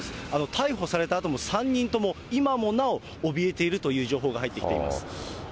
逮捕されたあとも、３人とも、今もなお、おびえているという情報が入ってきています。